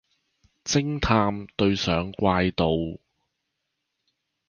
偵探對上怪盜